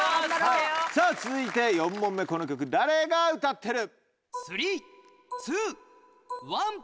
さぁ続いて４問目この曲誰が歌ってる？